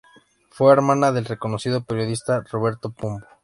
Fue hermana del reconocido periodista Roberto Pombo.